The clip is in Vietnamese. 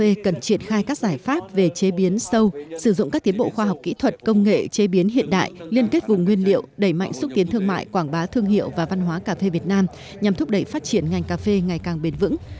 cà phê cần triển khai các giải pháp về chế biến sâu sử dụng các tiến bộ khoa học kỹ thuật công nghệ chế biến hiện đại liên kết vùng nguyên liệu đẩy mạnh xúc tiến thương mại quảng bá thương hiệu và văn hóa cà phê việt nam nhằm thúc đẩy phát triển ngành cà phê ngày càng bền vững